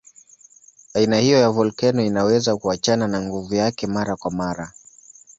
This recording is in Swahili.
Aina hiyo ya volkeno inaweza kuachana na nguvu yake mara kwa mara.